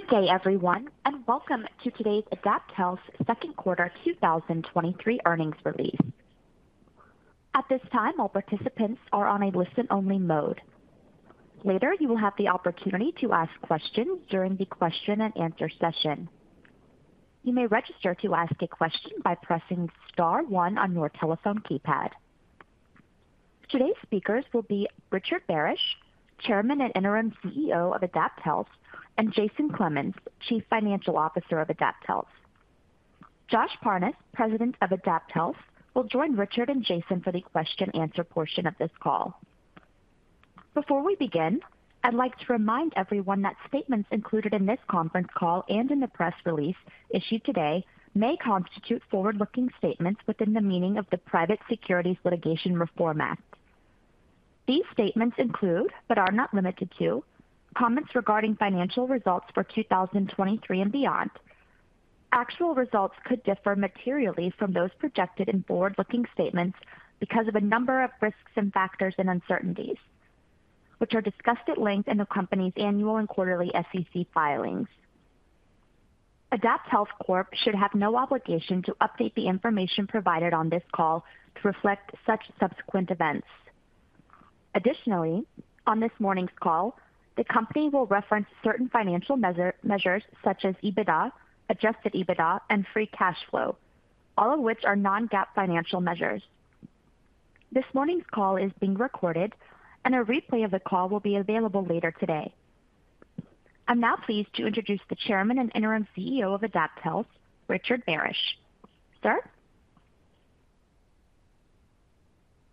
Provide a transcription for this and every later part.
Good day, everyone, and welcome to today's AdaptHealth second quarter 2023 earnings release. At this time, all participants are on a listen-only mode. Later, you will have the opportunity to ask questions during the question and answer session. You may register to ask a question by pressing star 1 on your telephone keypad. Today's speakers will be Richard Barasch, Chairman and Interim CEO of AdaptHealth, and Jason Clemens, Chief Financial Officer of AdaptHealth. Josh Parnes, President of AdaptHealth, will join Richard and Jason for the question and answer portion of this call. Before we begin, I'd like to remind everyone that statements included in this conference call and in the press release issued today may constitute forward-looking statements within the meaning of the Private Securities Litigation Reform Act. These statements include, but are not limited to, comments regarding financial results for 2023 and beyond. Actual results could differ materially from those projected in forward-looking statements because of a number of risks and factors and uncertainties, which are discussed at length in the company's annual and quarterly SEC filings. AdaptHealth Corp. should have no obligation to update the information provided on this call to reflect such subsequent events. Additionally, on this morning's call, the company will reference certain financial measures such as EBITDA, adjusted EBITDA, and free cash flow, all of which are non-GAAP financial measures. This morning's call is being recorded, and a replay of the call will be available later today. I'm now pleased to introduce the Chairman and Interim CEO of AdaptHealth, Richard Barasch. Sir?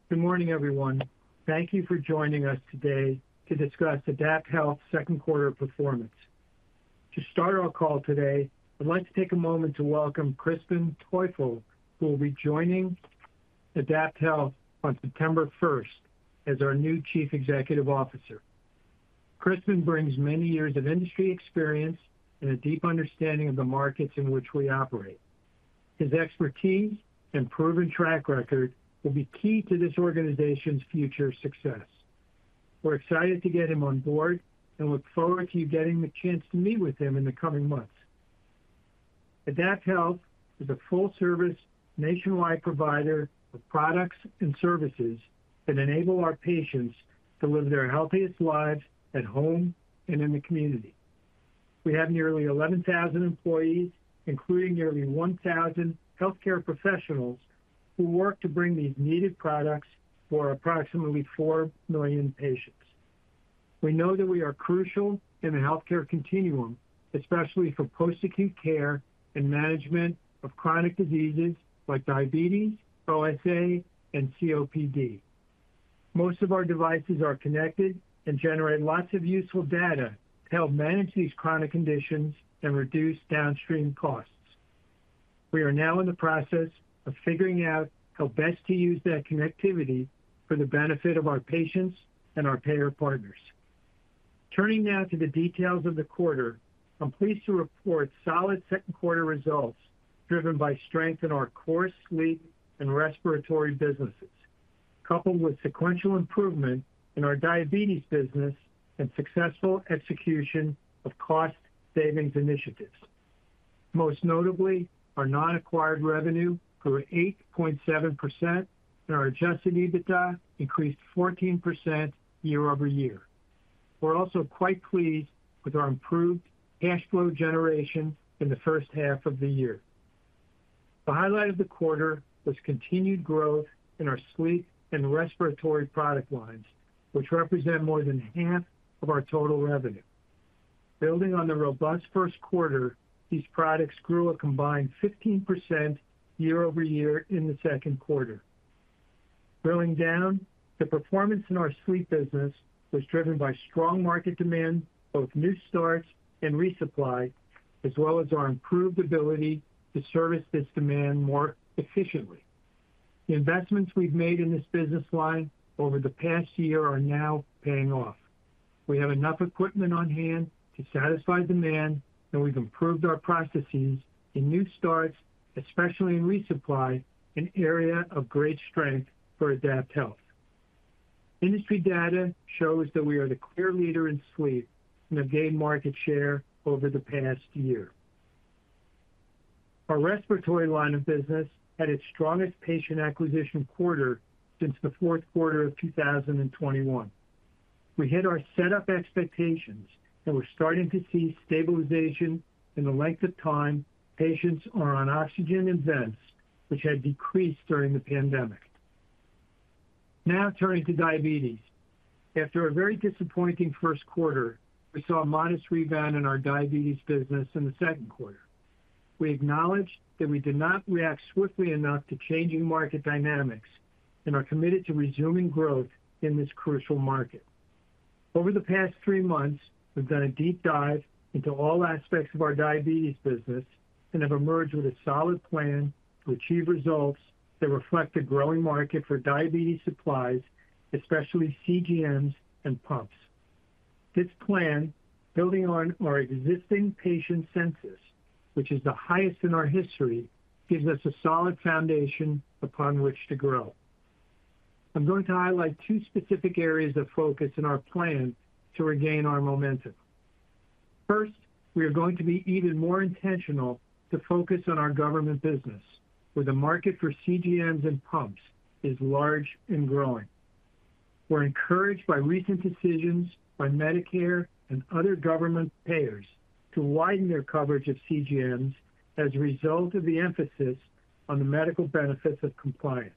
Good morning, everyone. Thank you for joining us today to discuss AdaptHealth's second quarter performance. To start our call today, I'd like to take a moment to welcome Crispin Teufel, who will be joining AdaptHealth on September first as our new Chief Executive Officer. Crispin brings many years of industry experience and a deep understanding of the markets in which we operate. His expertise and proven track record will be key to this organization's future success. We're excited to get him on board and look forward to you getting the chance to meet with him in the coming months. AdaptHealth is a full-service, nationwide provider of products and services that enable our patients to live their healthiest lives at home and in the community. We have nearly 11,000 employees, including nearly 1,000 healthcare professionals, who work to bring these needed products for approximately 4 million patients. We know that we are crucial in the healthcare continuum, especially for post-acute care and management of chronic diseases like diabetes, OSA, and COPD. Most of our devices are connected and generate lots of useful data to help manage these chronic conditions and reduce downstream costs. We are now in the process of figuring out how best to use that connectivity for the benefit of our patients and our payer partners. Turning now to the details of the quarter, I'm pleased to report solid second quarter results, driven by strength in our core sleep and respiratory businesses, coupled with sequential improvement in our diabetes business and successful execution of cost savings initiatives. Most notably, our non-acquired revenue grew 8.7%, and our adjusted EBITDA increased 14% year-over-year. We're also quite pleased with our improved cash flow generation in the first half of the year. The highlight of the quarter was continued growth in our sleep and respiratory product lines, which represent more than half of our total revenue. Building on the robust first quarter, these products grew a combined 15% year-over-year in the second quarter. Drilling down, the performance in our sleep business was driven by strong market demand, both new starts and resupply, as well as our improved ability to service this demand more efficiently. The investments we've made in this business line over the past year are now paying off. We have enough equipment on hand to satisfy demand, and we've improved our processes in new starts, especially in resupply, an area of great strength for AdaptHealth. Industry data shows that we are the clear leader in sleep and have gained market share over the past year. Our respiratory line of business had its strongest patient acquisition quarter since the fourth quarter of 2021. We hit our set up expectations and we're starting to see stabilization in the length of time patients are on oxygen and vents, which had decreased during the pandemic. Turning to diabetes. After a very disappointing first quarter, we saw a modest rebound in our diabetes business in the second quarter. We acknowledge that we did not react swiftly enough to changing market dynamics and are committed to resuming growth in this crucial market. Over the past three months, we've done a deep dive into all aspects of our diabetes business and have emerged with a solid plan to achieve results that reflect a growing market for diabetes supplies, especially CGMs and pumps. This plan, building on our existing patient census, which is the highest in our history, gives us a solid foundation upon which to grow. I'm going to highlight two specific areas of focus in our plan to regain our momentum. First, we are going to be even more intentional to focus on our government business, where the market for CGMs and pumps is large and growing. We're encouraged by recent decisions by Medicare and other government payers to widen their coverage of CGMs as a result of the emphasis on the medical benefits of compliance.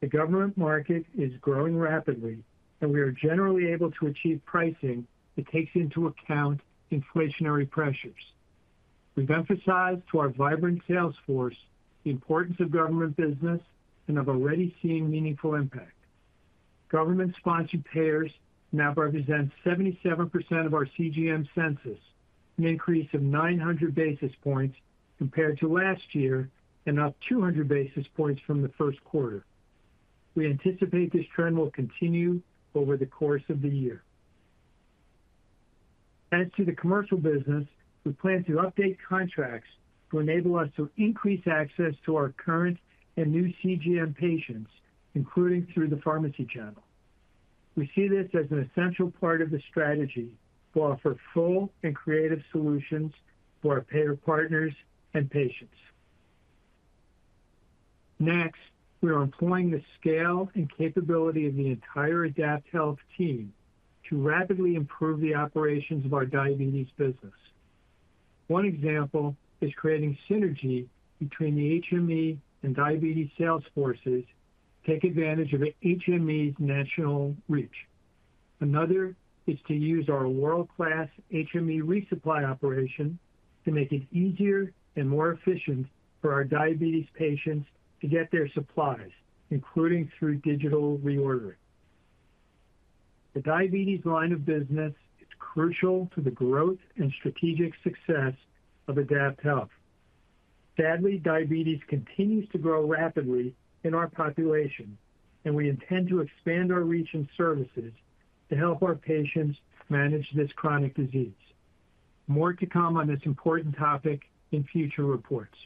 The government market is growing rapidly. We are generally able to achieve pricing that takes into account inflationary pressures. We've emphasized to our vibrant sales force the importance of government business and have already seen meaningful impact. Government-sponsored payers now represent 77% of our CGM census, an increase of 900 basis points compared to last year and up 200 basis points from the first quarter. We anticipate this trend will continue over the course of the year. As to the commercial business, we plan to update contracts to enable us to increase access to our current and new CGM patients, including through the pharmacy channel. We see this as an essential part of the strategy to offer full and creative solutions for our payer partners and patients. We are employing the scale and capability of the entire AdaptHealth team to rapidly improve the operations of our diabetes business. One example is creating synergy between the HME and diabetes sales forces to take advantage of HME's national reach. Another is to use our world-class HME resupply operation to make it easier and more efficient for our diabetes patients to get their supplies, including through digital reordering. The diabetes line of business is crucial to the growth and strategic success of AdaptHealth. Sadly, diabetes continues to grow rapidly in our population, and we intend to expand our reach and services to help our patients manage this chronic disease. More to come on this important topic in future reports.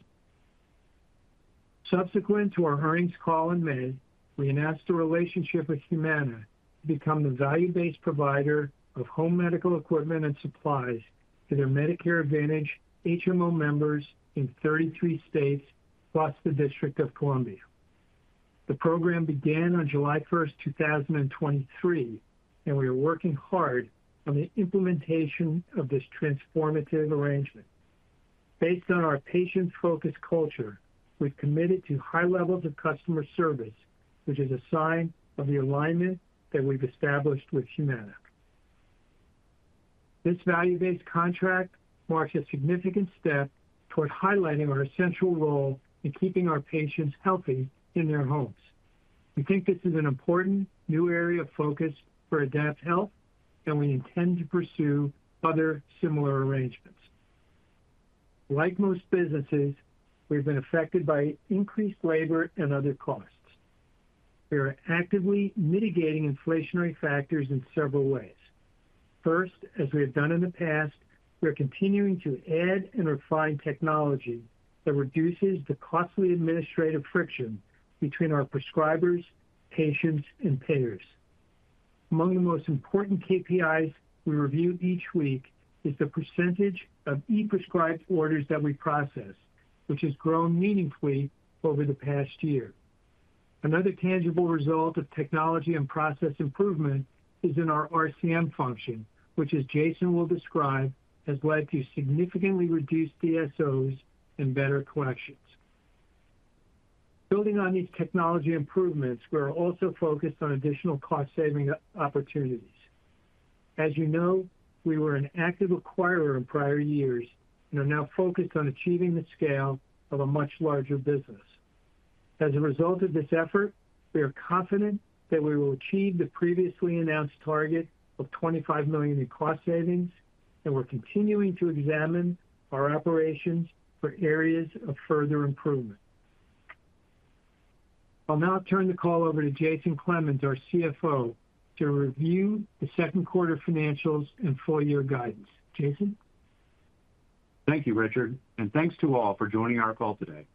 Subsequent to our earnings call in May, we announced a relationship with Humana to become the value-based provider of home medical equipment and supplies to their Medicare Advantage HMO members in 33 states, plus the District of Columbia. The program began on July 1, 2023. We are working hard on the implementation of this transformative arrangement. Based on our patient-focused culture, we've committed to high levels of customer service, which is a sign of the alignment that we've established with Humana. This value-based contract marks a significant step toward highlighting our essential role in keeping our patients healthy in their homes. We think this is an important new area of focus for AdaptHealth. We intend to pursue other similar arrangements. Like most businesses, we've been affected by increased labor and other costs. We are actively mitigating inflationary factors in several ways. First, as we have done in the past, we are continuing to add and refine technology that reduces the costly administrative friction between our prescribers, patients, and payers. Among the most important KPIs we review each week is the percentage of e-prescribed orders that we process, which has grown meaningfully over the past year. Another tangible result of technology and process improvement is in our RCM function, which, as Jason will describe, has led to significantly reduced DSOs and better collections. Building on these technology improvements, we are also focused on additional cost-saving opportunities. As you know, we were an active acquirer in prior years and are now focused on achieving the scale of a much larger business. As a result of this effort, we are confident that we will achieve the previously announced target of $25 million in cost savings, and we're continuing to examine our operations for areas of further improvement. I'll now turn the call over to Jason Clemens, our CFO, to review the second quarter financials and full-year guidance. Jason? Thank you, Richard. Thanks to all for joining our call today.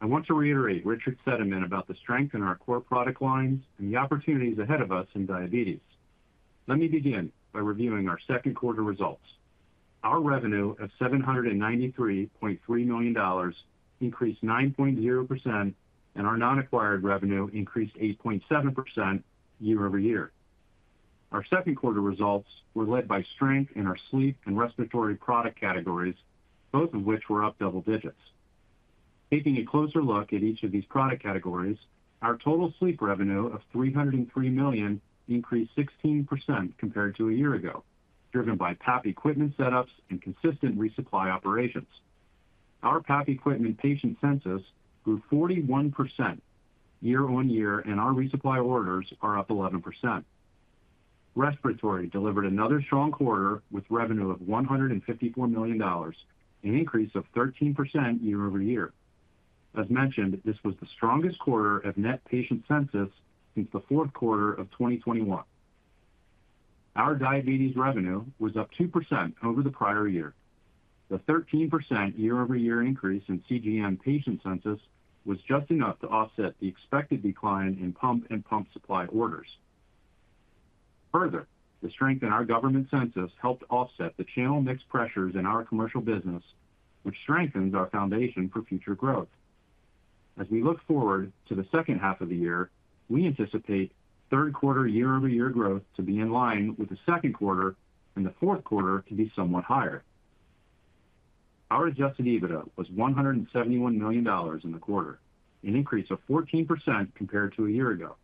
I want to reiterate Richard's sentiment about the strength in our core product lines and the opportunities ahead of us in diabetes. Let me begin by reviewing our second quarter results. Our revenue of $793.3 million increased 9.0%. Our non-acquired revenue increased 8.7% year-over-year. Our second quarter results were led by strength in our sleep and respiratory product categories, both of which were up double digits. Taking a closer look at each of these product categories, our total sleep revenue of $303 million increased 16% compared to a year ago, driven by PAP equipment setups and consistent resupply operations. Our PAP equipment patient census grew 41% year-on-year. Our resupply orders are up 11%. Respiratory delivered another strong quarter, with revenue of $154 million, an increase of 13% year-over-year. As mentioned, this was the strongest quarter of net patient census since the fourth quarter of 2021. Our diabetes revenue was up 2% over the prior year. The 13% year-over-year increase in CGM patient census was just enough to offset the expected decline in pump and pump supply orders. The strength in our government census helped offset the channel mix pressures in our commercial business, which strengthens our foundation for future growth. As we look forward to the second half of the year, we anticipate third quarter year-over-year growth to be in line with the second quarter and the fourth quarter to be somewhat higher. Our adjusted EBITDA was $171 million in the quarter, an increase of 14% compared to a year ago.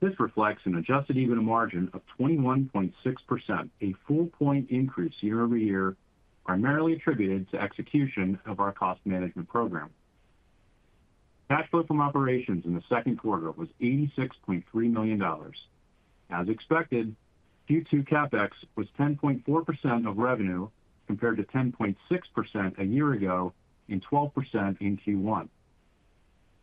This reflects an adjusted EBITDA margin of 21.6%, a full point increase year-over-year, primarily attributed to execution of our cost management program. Cash flow from operations in the second quarter was $86.3 million. As expected, Q2 CapEx was 10.4% of revenue, compared to 10.6% a year ago, and 12% in Q1.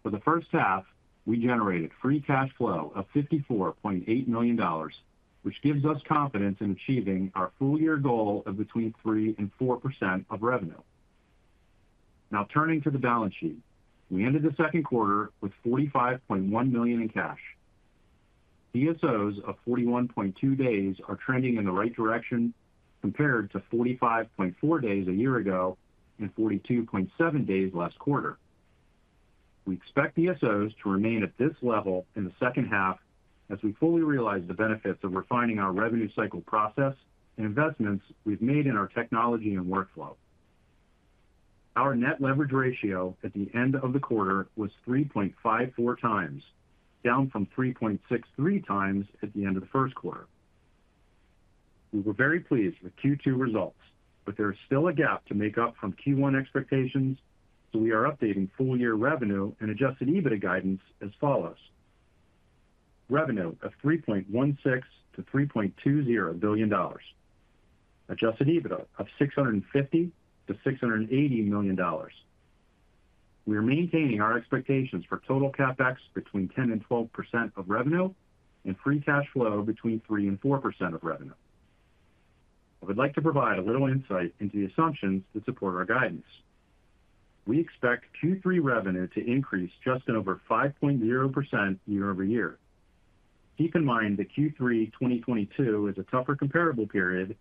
For the first half, we generated free cash flow of $54.8 million, which gives us confidence in achieving our full year goal of between 3% and 4% of revenue. Turning to the balance sheet. We ended the second quarter with $45.1 million in cash. DSOs of 41.2 days are trending in the right direction compared to 45.4 days a year ago and 42.7 days last quarter. We expect DSOs to remain at this level in the second half as we fully realize the benefits of refining our revenue cycle process and investments we've made in our technology and workflow. Our net leverage ratio at the end of the quarter was 3.54 times, down from 3.63 times at the end of the first quarter. We were very pleased with Q2 results, but there is still a gap to make up from Q1 expectations, so we are updating full year revenue and adjusted EBITDA guidance as follows: revenue of $3.16 billion-$3.20 billion, adjusted EBITDA of $650 million-$680 million. We are maintaining our expectations for total CapEx between 10% and 12% of revenue and free cash flow between 3% and 4% of revenue. I would like to provide a little insight into the assumptions that support our guidance. We expect Q3 revenue to increase just over 5.0% year-over-year. Keep in mind that Q3 2022 is a tougher comparable period,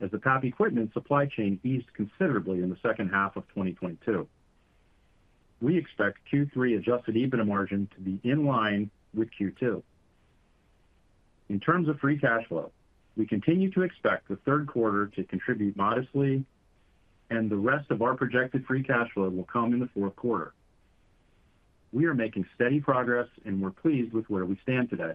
as the top equipment supply chain eased considerably in the second half of 2022. We expect Q3 adjusted EBITDA margin to be in line with Q2. In terms of free cash flow, we continue to expect the third quarter to contribute modestly, and the rest of our projected free cash flow will come in the fourth quarter. We are making steady progress, and we're pleased with where we stand today.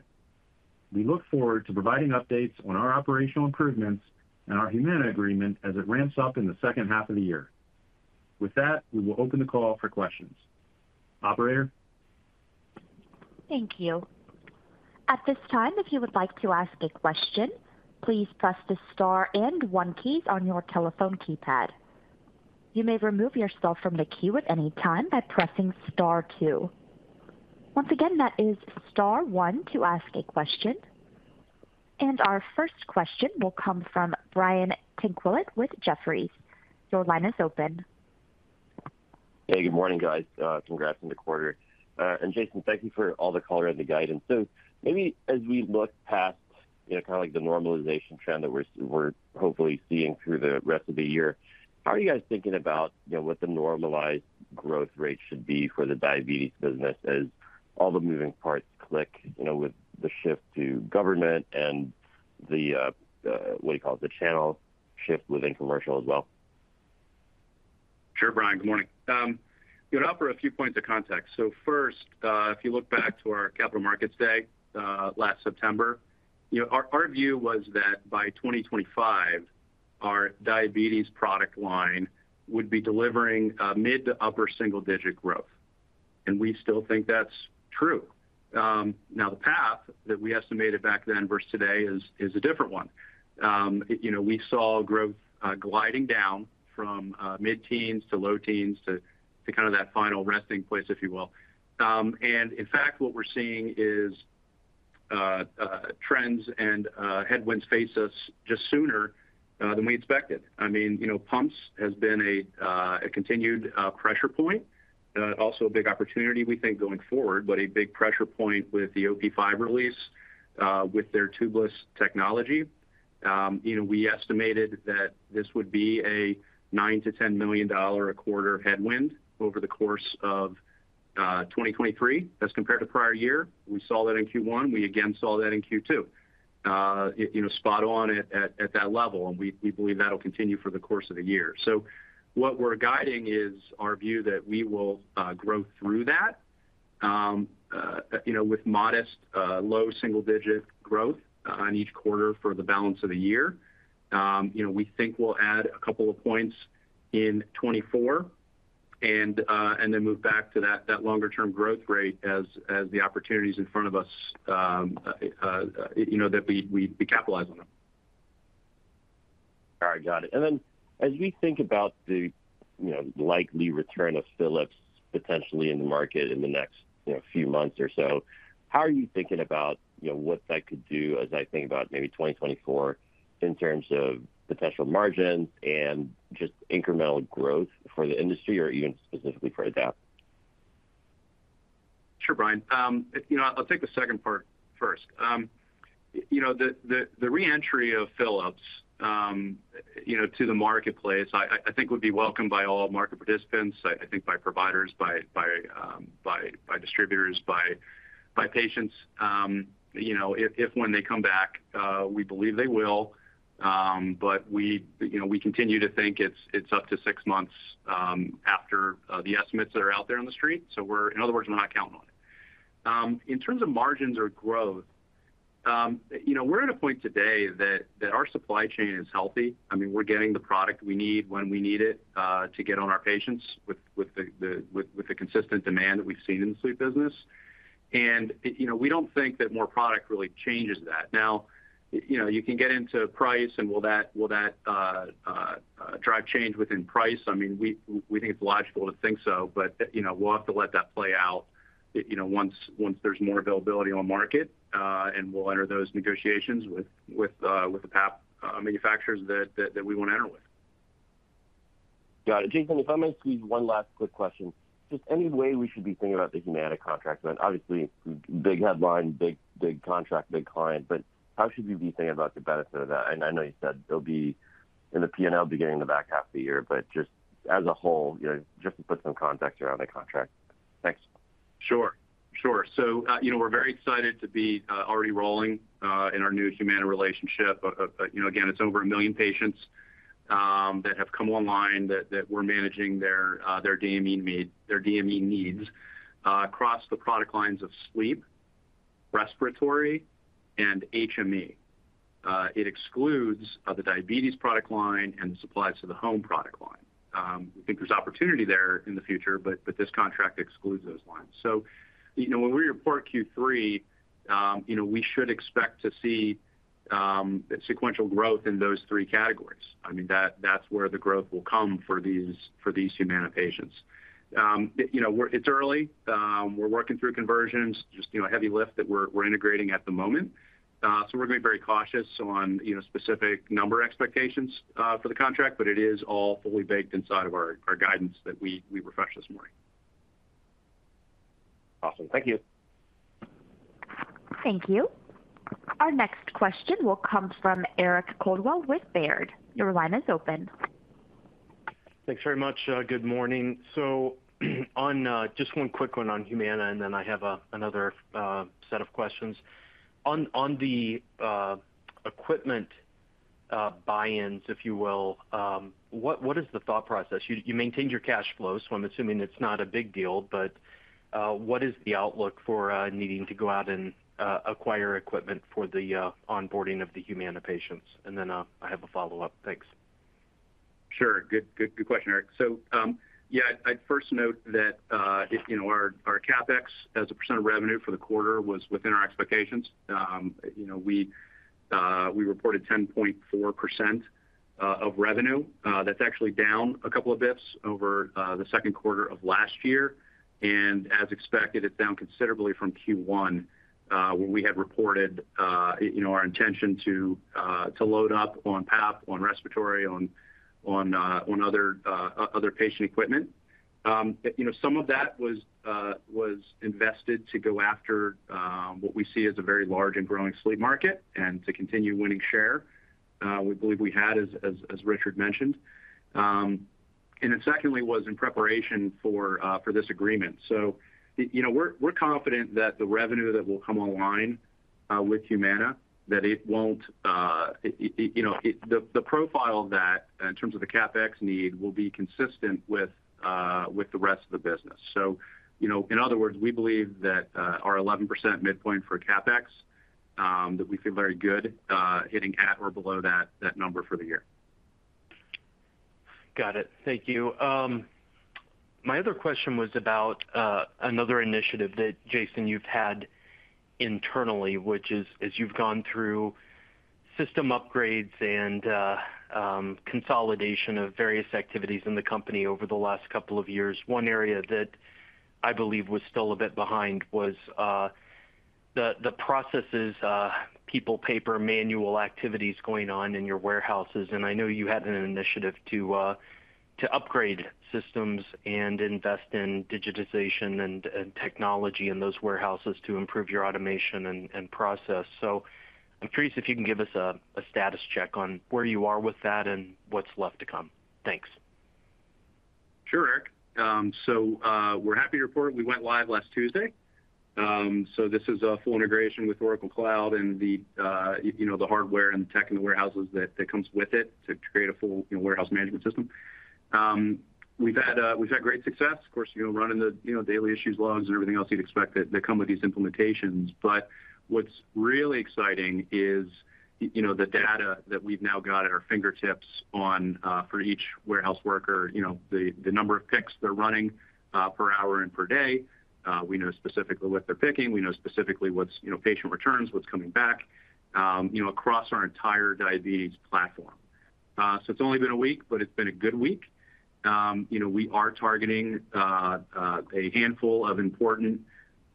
We look forward to providing updates on our operational improvements and our Humana agreement as it ramps up in the second half of the year. With that, we will open the call for questions. Operator? Thank you. At this time, if you would like to ask a question, please press the star and 1 key on your telephone keypad. You may remove yourself from the queue at any time by pressing star two. Once again, that is star 1 to ask a question. Our first question will come from Brian Tanquilut with Jefferies. Your line is open. Hey, good morning, guys. Congrats on the quarter. Jason, thank you for all the color and the guidance. Maybe as we look past, you know, kind of like the normalization trend that we're, we're hopefully seeing through the rest of the year, how are you guys thinking about, you know, what the normalized growth rate should be for the diabetes business as all the moving parts click, you know, with the shift to government and the, what do you call it, the channel shift within commercial as well? Sure, Brian, good morning. You know, I'll offer a few points of contact. First, if you look back to our Capital Markets Day, last September, you know, our, our view was that by 2025, our diabetes product line would be delivering mid to upper single-digit growth, and we still think that's true. Now, the path that we estimated back then versus today is, is a different one. You know, we saw growth gliding down from mid-teens to low-teens to, to kind of that final resting place, if you will. In fact, what we're seeing is trends and headwinds face us just sooner than we expected. I mean, you know, pumps has been a continued pressure point, also a big opportunity, we think, going forward, but a big pressure point with the OP5 release, with their tubeless technology. You know, we estimated that this would be a $9 million-$10 million a quarter headwind over the course of 2023 as compared to prior year. We saw that in Q1. We again saw that in Q2. You know, spot on at, at, at that level, and we believe that'll continue for the course of the year. What we're guiding is our view that we will grow through that, you know, with modest, low single-digit growth on each quarter for the balance of the year. You know, we think we'll add a couple of points in 2024, and, and then move back to that, that longer term growth rate as, as the opportunities in front of us, you know, that we, we capitalize on them. All right, got it. As we think about the, you know, likely return of Philips potentially in the market in the next, you know, few months or so, how are you thinking about, you know, what that could do as I think about maybe 2024 in terms of potential margins and just incremental growth for the industry or even specifically for Adapt? Sure, Brian Tanquilut. You know, I'll take the second part first. You know, the, the, the re-entry of Philips, you know, to the marketplace, I, I, I think would be welcomed by all market participants, I, I think by providers, by, by, by, by distributors, by, by patients. You know, if, if when they come back, we believe they will, but we, you know, we continue to think it's, it's up to six months after the estimates that are out there in the street. In other words, we're not counting on it. In terms of margins or growth, you know, we're at a point today that, that our supply chain is healthy. I mean, we're getting the product we need when we need it to get on our patients with the consistent demand that we've seen in the sleep business. You know, we don't think that more product really changes that. Now, you know, you can get into price and will that, will that drive change within price? I mean, we think it's logical to think so, but, you know, we'll have to let that play out, you know, once there's more availability on the market, and we'll enter those negotiations with the PAP manufacturers that we want to enter with. Got it. Jason, if I may squeeze one last quick question. Just any way we should be thinking about the Humana contract? Obviously, big headline, big, big contract, big client, but how should we be thinking about the benefit of that? I know you said it'll be in the P&L beginning in the back half of the year, but just as a whole, you know, just to put some context around the contract. Thanks. Sure, sure. You know, we're very excited to be already rolling in our new Humana relationship. You know, again, it's over 1 million patients that have come online that, that we're managing their DME need, their DME needs across the product lines of sleep, respiratory, and HME. It excludes the diabetes product line and the supplies to the home product line. We think there's opportunity there in the future, but, but this contract excludes those lines. You know, when we report Q3, you know, we should expect to see sequential growth in those three categories. I mean, that, that's where the growth will come from for these, for these Humana patients. It's early, we're working through conversions, just, you know, a heavy lift that we're, we're integrating at the moment. We're being very cautious on specific number expectations for the contract, but it is all fully baked inside of our, our guidance that we, we refreshed this morning. Awesome. Thank you. Thank you. Our next question will come from Eric Coldwell with Baird. Your line is open. Thanks very much. good morning. Just one quick one on Humana, and then I have a, another, set of questions. On, on the, equipment, buy-ins, if you will, what, what is the thought process? You, you maintained your cash flow, so I'm assuming it's not a big deal, but, what is the outlook for, needing to go out and, acquire equipment for the, onboarding of the Humana patients? Then, I have a follow-up. Thanks. Sure. Good, good, good question, Eric. Yeah, I'd first note that, you know, our, our CapEx, as a percent of revenue for the quarter, was within our expectations. You know, we reported 10.4% of revenue. That's actually down a couple of bits over the second quarter of last year, as expected, it's down considerably from Q1, when we had reported, you know, our intention to load up on PAP, on respiratory, on, on other patient equipment. You know, some of that was invested to go after what we see as a very large and growing sleep market and to continue winning share, we believe we had, as, as, as Richard mentioned. Then secondly, was in preparation for this agreement. you know, we're, we're confident that the revenue that will come online with Humana, that it won't, you know. The profile of that, in terms of the CapEx need, will be consistent with the rest of the business. you know, in other words, we believe that our 11% midpoint for CapEx, that we feel very good hitting at or below that number for the year. Got it. Thank you. My other question was about another initiative that, Jason, you've had internally, which is, as you've gone through system upgrades and consolidation of various activities in the company over the last couple of years. One area that I believe was still a bit behind was the processes, people, paper, manual activities going on in your warehouses. I know you had an initiative to upgrade systems and invest in digitization and technology in those warehouses to improve your automation and process. I'm curious if you can give us a status check on where you are with that and what's left to come. Thanks. Sure, Eric. We're happy to report we went live last Tuesday. This is a full integration with Oracle Cloud and the, you know, the hardware and the tech in the warehouses that, that comes with it to create a full, you know, warehouse management system. We've had great success. Of course, you know, running the, you know, daily issues, logs, and everything else you'd expect that, that come with these implementations. What's really exciting is, you know, the data that we've now got at our fingertips on for each warehouse worker, you know, the number of picks they're running per hour and per day. We know specifically what they're picking. We know specifically what's, you know, patient returns, what's coming back, you know, across our entire diabetes platform. It's only been a week, but it's been a good week. You know, we are targeting a handful of important,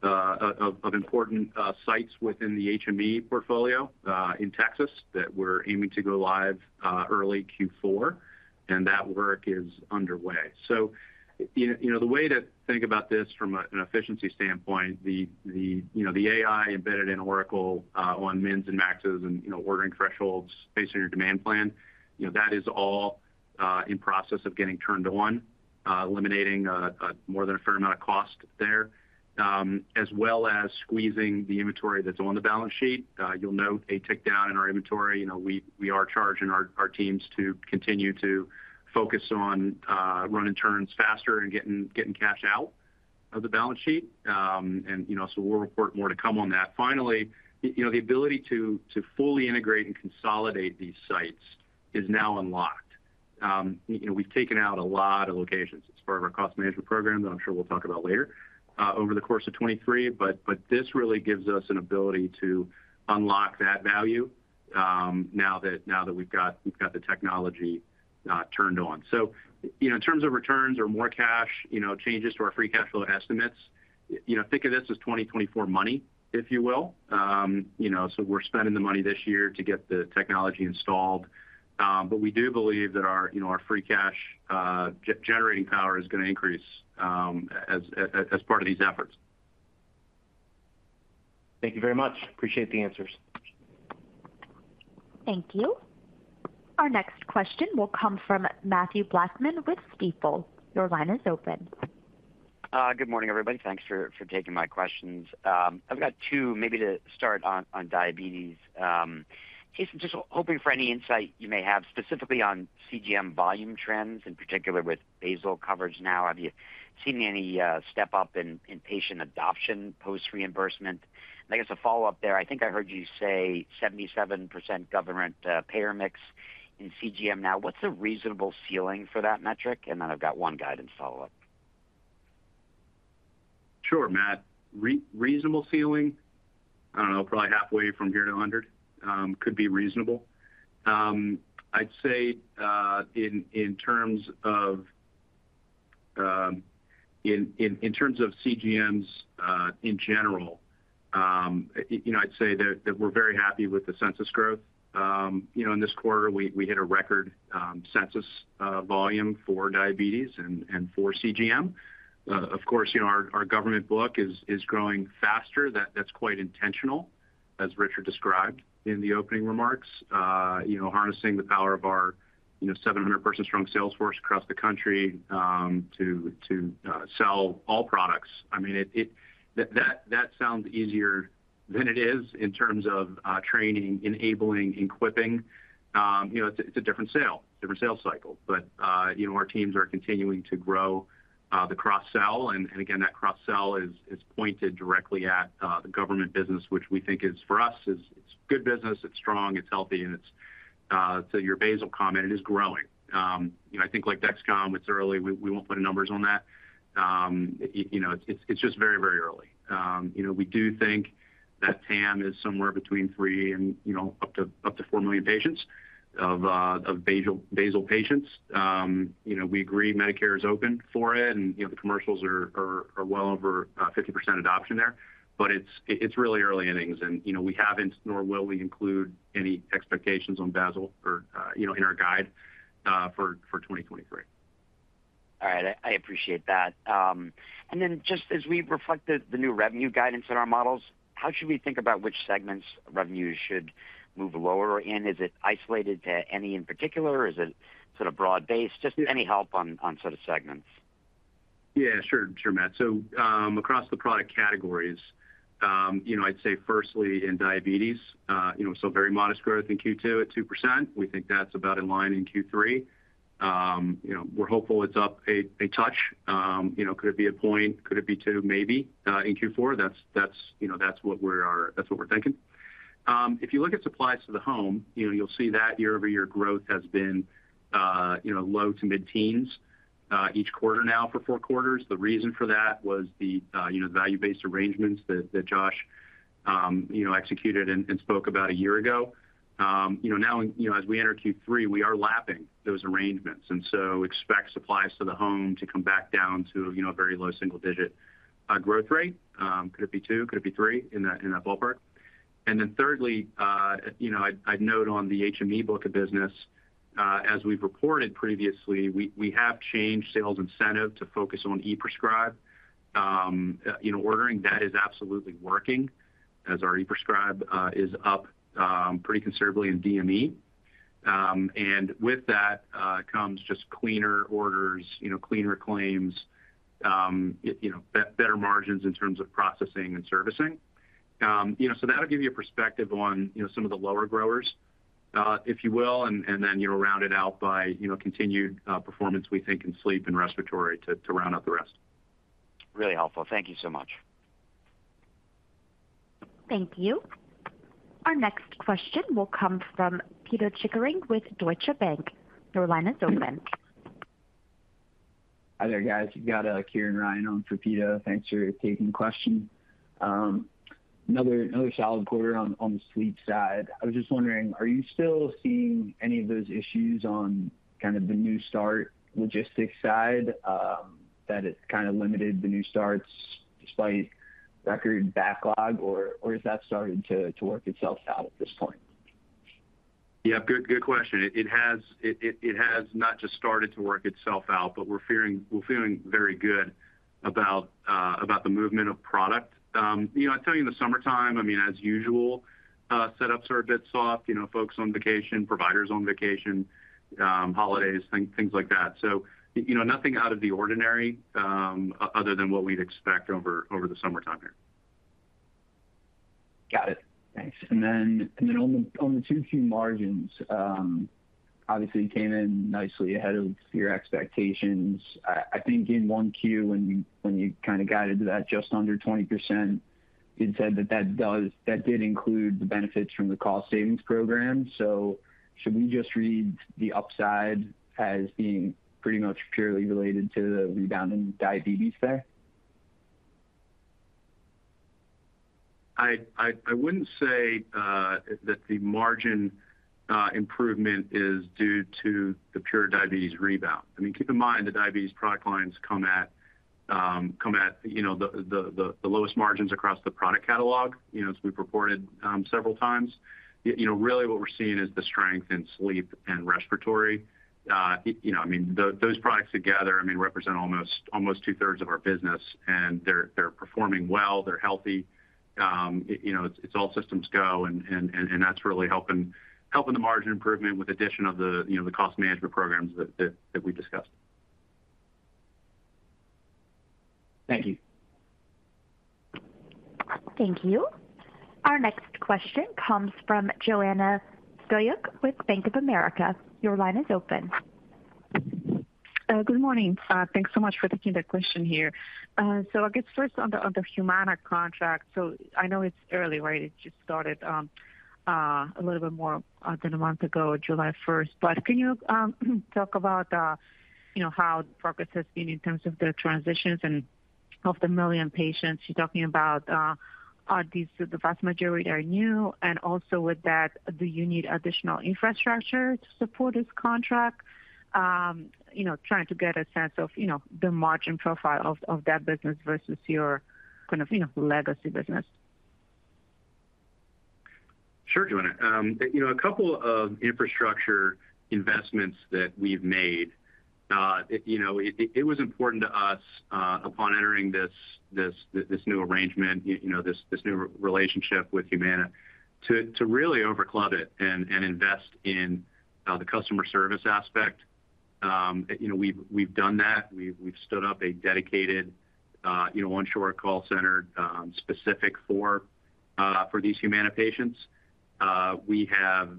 of, of important sites within the HME portfolio in Texas, that we're aiming to go live early Q4. That work is underway. You, you know, the way to think about this from an efficiency standpoint, the, the, you know, the AI embedded in Oracle on mins and maxes and, you know, ordering thresholds based on your demand plan, you know, that is all in process of getting turned on. Eliminating a more than a fair amount of cost there, as well as squeezing the inventory that's on the balance sheet. You'll note a tick down in our inventory. You know, we, we are charging our, our teams to continue to focus on running turns faster and getting, getting cash out of the balance sheet. You know, we'll report more to come on that. Finally, you know, the ability to, to fully integrate and consolidate these sites is now unlocked. You know, we've taken out a lot of locations as part of our cost management program, that I'm sure we'll talk about later, over the course of 2023. This really gives us an ability to unlock that value, now that, now that we've got, we've got the technology, turned on. You know, in terms of returns or more cash, you know, changes to our free cash flow estimates, you know, think of this as 2024 money, if you will. You know, we're spending the money this year to get the technology installed, we do believe that our, you know, our free cash, generating power is going to increase, as, as, as part of these efforts. Thank you very much. Appreciate the answers. Thank you. Our next question will come from Matthew Blackman with Stifel. Your line is open. Good morning, everybody. Thanks for, for taking my questions. I've got 2 maybe to start on, on diabetes. Jason, just hoping for any insight you may have, specifically on CGM volume trends, in particular with basal coverage now. Have you seen any step up in, in patient adoption, post reimbursement? I guess a follow-up there, I think I heard you say 77% government payer mix in CGM. What's the reasonable ceiling for that metric? I've got 1 guidance follow-up. Sure, Mathew. Reasonable ceiling? I don't know, probably halfway from 0 to 100, could be reasonable. I'd say, in, in terms of, in, in, in terms of CGMs, in general, you know, I'd say that, that we're very happy with the census growth. You know, in this quarter, we, we hit a record census volume for diabetes and, and for CGM. Of course, you know, our, our government book is, is growing faster. That's quite intentional, as Richard described in the opening remarks. You know, harnessing the power of our, you know, 700 person strong sales force across the country, to, to sell all products. I mean, that, that sounds easier than it is in terms of training, enabling, equipping. You know, it's a, it's a different sale, different sales cycle. You know, our teams are continuing to grow the cross-sell, and, and again, that cross-sell is, is pointed directly at the government business, which we think is, for us, is, it's good business, it's strong, it's healthy, and it's... Your basal comment, it is growing. You know, I think like DexCom, it's early. We, we won't put numbers on that. You know, it's, it's just very, very early. You know, we do think that TAM is somewhere between 3 million-4 million patients of basal, basal patients. You know, we agree Medicare is open for it, and, you know, the commercials are, are, are well over 50% adoption there. It's, it's really early innings, and, you know, we haven't, nor will we include any expectations on basal or, you know, in our guide, for, for 2023. All right. I appreciate that. Then just as we reflect the, the new revenue guidance in our models, how should we think about which segments revenues should move lower in? Is it isolated to any in particular, or is it sort of broad-based? Just any help on, on sort of segments. Yeah, sure. Sure, Matt. Across the product categories, you know, I'd say firstly in diabetes, you know, very modest growth in Q2 at 2%. We think that's about in line in Q3. You know, we're hopeful it's up a touch. Could it be a point? Could it be 2? Maybe. In Q4, that's, you know, that's what we're thinking. If you look at supplies to the home, you know, you'll see that year-over-year growth has been, you know, low to mid-teens, each quarter now for 4 quarters. The reason for that was the, you know, value-based arrangements that Josh, you know, executed and spoke about a year ago. You know, now, you know, as we enter Q3, we are lapping those arrangements, and so expect supplies to the home to come back down to, you know, a very low single digit growth rate. Could it be 2? Could it be 3 in that, in that ballpark? Thirdly, you know, I'd, I'd note on the HME book of business, as we've reported previously, we, we have changed sales incentive to focus on ePrescribe. You know, ordering, that is absolutely working, as our ePrescribe is up pretty considerably in DME. With that comes just cleaner orders, you know, cleaner claims, you know, better margins in terms of processing and servicing. You know, so that'll give you a perspective on, you know, some of the lower growers, if you will, and then, you know, rounded out by, you know, continued, performance, we think, in sleep and respiratory to round out the rest. Really helpful. Thank you so much. Thank you. Our next question will come from Peter Chickering with Deutsche Bank. Your line is open.... Hi there, guys. You've got Kieran Ryan on for Peter. Thanks for taking the question. Another, another solid quarter on, on the sleep side. I was just wondering, are you still seeing any of those issues on kind of the new start logistics side, that it's kind of limited the new starts despite record backlog, or, or is that starting to, to work itself out at this point? Yeah, good, good question. It has, it has not just started to work itself out, but we're feeling, we're feeling very good about, about the movement of product. You know, I tell you, in the summertime, I mean, as usual, setups are a bit soft. You know, folks on vacation, providers on vacation, holidays, things like that. You know, nothing out of the ordinary, other than what we'd expect over, over the summertime here. Got it. Thanks. Then, and then on the, on the Q2 margins, obviously came in nicely ahead of your expectations. I, I think in 1Q, when you, when you kind of guided to that just under 20%, you'd said that that did include the benefits from the cost savings program. Should we just read the upside as being pretty much purely related to the rebound in diabetes there? I, I, I wouldn't say that the margin improvement is due to the pure diabetes rebound. I mean, keep in mind, the diabetes product lines come at, come at, you know, the, the, the lowest margins across the product catalog, you know, as we've reported, several times. Y- you know, really what we're seeing is the strength in sleep and respiratory. y- you know, I mean, tho- those products together, I mean, represent almost, almost 2/3 of our business, and they're, they're performing well, they're healthy. y- you know, it's, it's all systems go, and, and, and that's really helping, helping the margin improvement with the addition of the, you know, the cost management programs that, that, that we discussed. Thank you. Thank you. Our next question comes from Joanna Gajuk with Bank of America. Your line is open. Good morning. Thanks so much for taking the question here. I'll get first on the, on the Humana contract. I know it's early, right? It just started, a little bit more than a month ago, July first. Can you talk about, you know, how progress has been in terms of the transitions and of the 1 million patients you're talking about, are these, the vast majority are new? Also with that, do you need additional infrastructure to support this contract? You know, trying to get a sense of, you know, the margin profile of, of that business versus your kind of, you know, legacy business. Sure, Joanna. You know, a couple of infrastructure investments that we've made. You know, it, it was important to us, upon entering this, this, this new arrangement, you know, this, this new relationship with Humana, to, to really overcloud it and, and invest in, the customer service aspect. You know, we've, we've done that. We've, we've stood up a dedicated, you know, onshore call center, specific for, for these Humana patients. We have,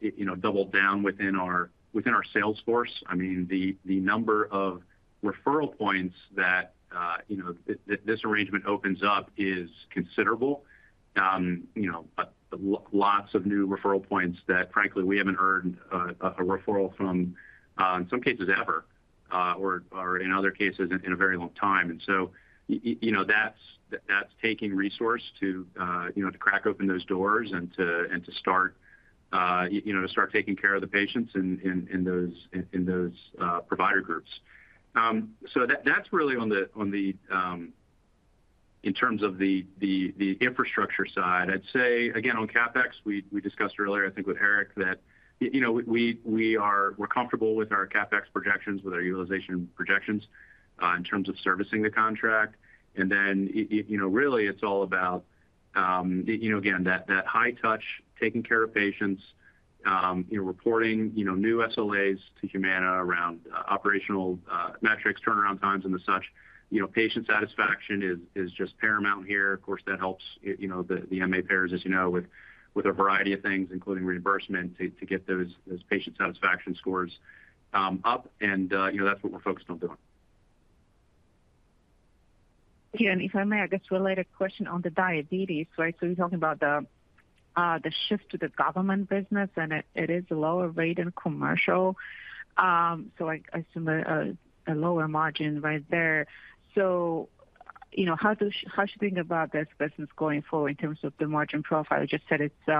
you know, doubled down within our, within our sales force. I mean, the, the number of referral points that, you know, this arrangement opens up is considerable. You know, lots of new referral points that frankly, we haven't heard, a referral from, in some cases, ever, or, or in other cases, in, in a very long time. You know, that's, that's taking resource to, you know, to crack open those doors and to, and to start, you know, to start taking care of the patients in those provider groups. So that's really on the, on the, in terms of the, the, the infrastructure side. I'd say again, on CapEx, we, we discussed earlier, I think with Eric, that, you know, we're comfortable with our CapEx projections, with our utilization projections, in terms of servicing the contract. You know, really it's all about, you know, again, that, that high touch, taking care of patients, you know, reporting, you know, new SLAs to Humana around operational metrics, turnaround times, and the such. You know, patient satisfaction is, is just paramount here. Of course, that helps, y- you know, the, the MA payers, as you know, with, with a variety of things, including reimbursement, to, to get those, those patient satisfaction scores, up. You know, that's what we're focused on doing. Again, if I may, I guess a related question on the diabetes, right? You're talking about the shift to the government business, and it, it is a lower rate in commercial. I, I assume a, a, a lower margin right there. You know, how do you think about this business going forward in terms of the margin profile? You just said it's, you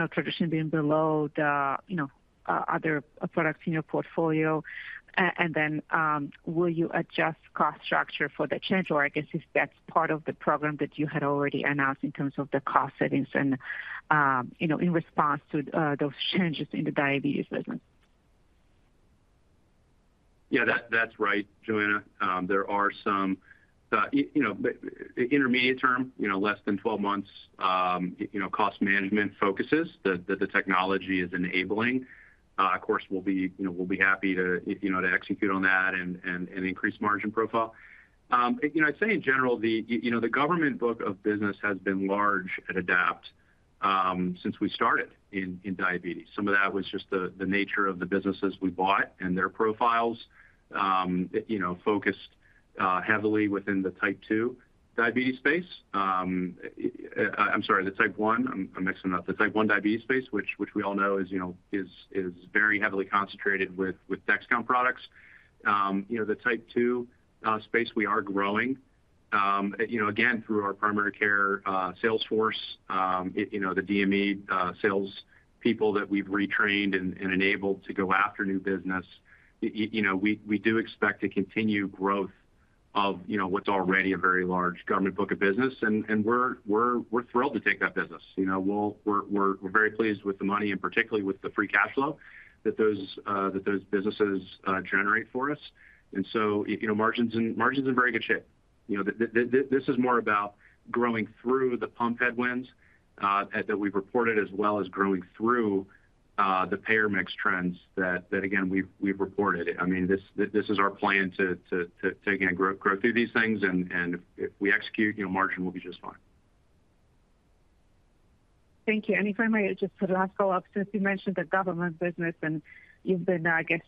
know, traditionally been below the, you know, other products in your portfolio. Then, will you adjust cost structure for the change, or I guess, if that's part of the program that you had already announced in terms of the cost savings and, you know, in response to those changes in the diabetes business? Yeah, that, that's right, Joanna. There are some, y- you know, intermediate term, you know, less than 12 months, you know, cost management focuses that, that the technology is enabling. Of course, we'll be, you know, we'll be happy to, you know, to execute on that and, and, and increase margin profile. You know, I'd say in general, the, y- you know, the government book of business has been large at Adapt, since we started in, in diabetes. Some of that was just the, the nature of the businesses we bought and their profiles, you know, heavily within the type 2 diabetes space. I'm sorry, the type 1, I'm, I'm mixing up. The type 1 diabetes space, which, which we all know is, you know, is, is very heavily concentrated with, with DexCom products. You know, the type two space, we are growing, you know, again, through our primary care sales force, you know, the DME sales people that we've retrained and, and enabled to go after new business. You know, we, we do expect to continue growth of, you know, what's already a very large government book of business, and, and we're, we're, we're thrilled to take that business. You know, we're, we're, we're very pleased with the money, and particularly with the free cash flow that those that those businesses generate for us. You know, margins and margins are in very good shape. You know, this is more about growing through the pump headwinds that we've reported, as well as growing through the payer mix trends that, that again, we've, we've reported. I mean, this, this is our plan to, to, to again, grow, grow through these things, and, and if we execute, you know, margin will be just fine. Thank you. If I may, just the last follow-up, since you mentioned the government business and you've been, I guess,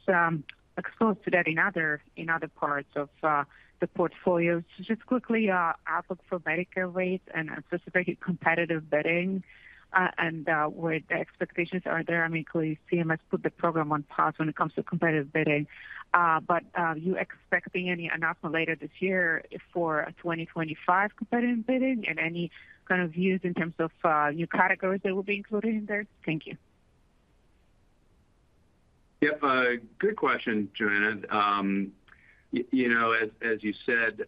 exposed to that in other, in other parts of the portfolio. Just quickly, outlook for Medicare rates and specifically competitive bidding, and where the expectations are there. I mean, clearly, CMS put the program on pause when it comes to competitive bidding. You expecting any announcement later this year for a 2025 competitive bidding? Any kind of views in terms of new categories that will be included in there? Thank you. Yep, good question, Joanna. You know, as, as you said,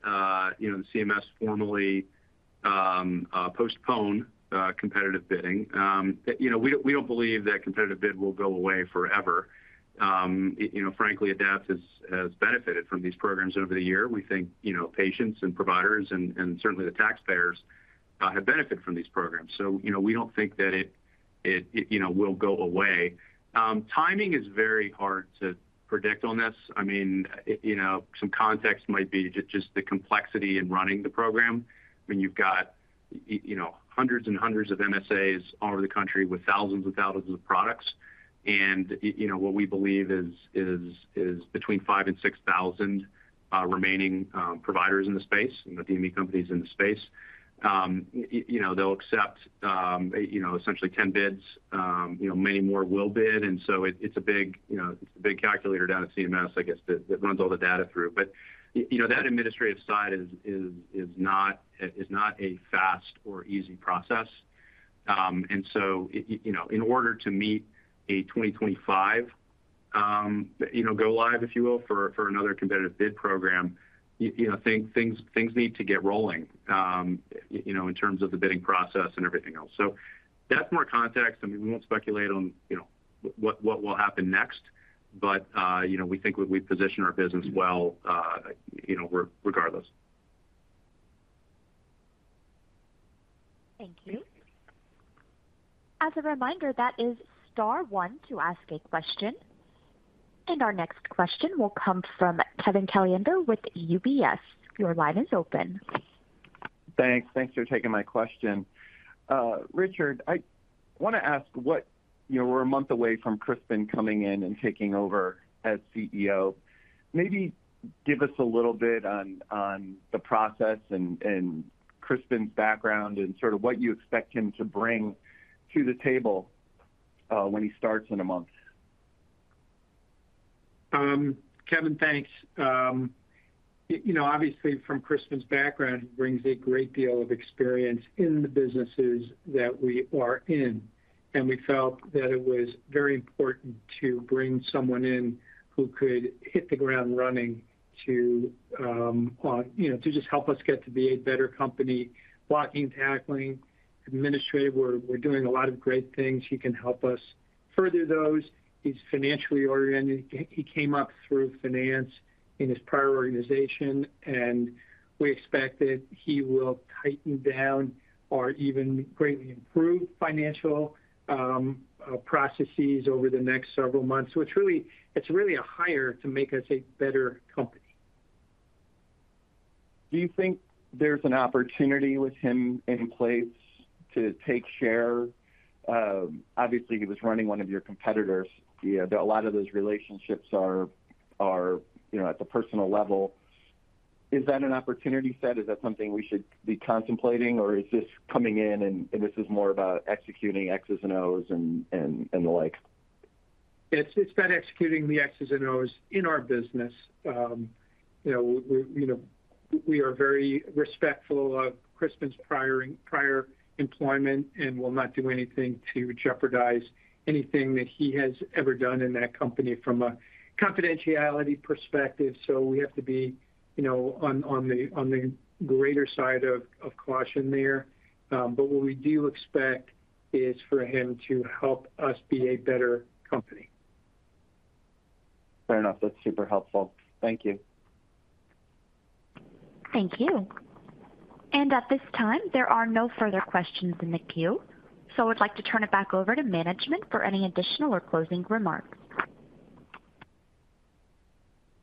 you know, the CMS formally postponed competitive bidding. You know, we don't, we don't believe that competitive bid will go away forever. You know, frankly, Adapt has, has benefited from these programs over the year. We think, you know, patients and providers and, and certainly the taxpayers have benefited from these programs. You know, we don't think that it, it, you know, will go away. Timing is very hard to predict on this. I mean, you know, some context might be just the complexity in running the program. When you've got, you know, hundreds and hundreds of MSAs all over the country with thousands and thousands of products. You know, what we believe is, is, is between 5 and 6,000 remaining providers in the space, the DME companies in the space. You know, they'll accept, you know, essentially 10 bids, you know, many more will bid, and so it's a big, you know, big calculator down at CMS, I guess, that, that runs all the data through. You know, that administrative side is, is, is not, is not a fast or easy process. You know, in order to meet a 2025, you know, go live, if you will, for, for another competitive bid program, you know, things, things need to get rolling, you know, in terms of the bidding process and everything else. That's more context. I mean, we won't speculate on, you know, what, what will happen next, but, you know, we think we position our business well, you know, regardless. Thank you. As a reminder, that is star one to ask a question. Our next question will come from Kevin Caliendo with UBS. Your line is open. Thanks. Thanks for taking my question. Richard, I want to ask, you know, we're 1 month away from Crispin coming in and taking over as CEO. Maybe give us a little bit on, on the process and, and Crispin's background and sort of what you expect him to bring to the table when he starts in 1 month. Kevin, thanks. You know, obviously from Crispin's background, he brings a great deal of experience in the businesses that we are in, and we felt that it was very important to bring someone in who could hit the ground running to, you know, to just help us get to be a better company. Blocking, tackling, administrative, we're, we're doing a lot of great things. He can help us further those. He's financially oriented. He came up through finance in his prior organization, and we expect that he will tighten down or even greatly improve financial processes over the next several months. It's really, it's really a hire to make us a better company. Do you think there's an opportunity with him in place to take share? Obviously, he was running one of your competitors. Yeah, a lot of those relationships are, you know, at the personal level. Is that an opportunity set? Is that something we should be contemplating, or is this coming in and this is more about executing X's and O's and the like? It's, it's about executing the X's and O's in our business. you know, we, you know, we are very respectful of Crispin's prior, prior employment and will not do anything to jeopardize anything that he has ever done in that company from a confidentiality perspective. we have to be, you know, on, on the, on the greater side of, of caution there. what we do expect is for him to help us be a better company. Fair enough. That's super helpful. Thank you. Thank you. At this time, there are no further questions in the queue, I'd like to turn it back over to management for any additional or closing remarks.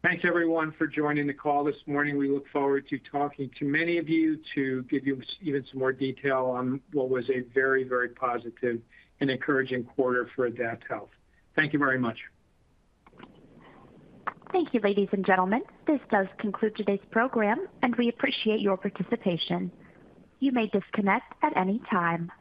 Thanks, everyone, for joining the call this morning. We look forward to talking to many of you to give you even some more detail on what was a very, very positive and encouraging quarter for AdaptHealth. Thank you very much. Thank you, ladies and gentlemen. This does conclude today's program, and we appreciate your participation. You may disconnect at any time.